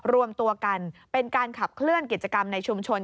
รวมตัวกันเป็นการขับเคลื่อนกิจกรรมในชุมชน